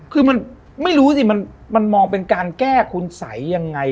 คือมันไม่รู้สิมันมองเป็นการแก้คุณสัยยังไง